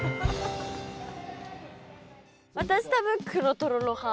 私多分黒とろろ派。